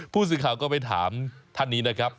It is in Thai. ผู้สินค้าก็ไปถามท่านนี้นะครับ